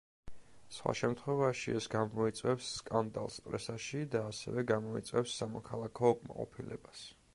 სხვა შემთხვევაში ეს გამოიწვევს სკანდალს პრესაში და ასევე გამოიწვევს სამოქალაქო უკმაყოფილებას.